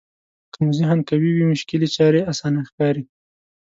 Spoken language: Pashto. که مو ذهن قوي وي مشکلې چارې اسانه ښکاري.